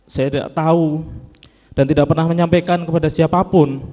saya tidak tahu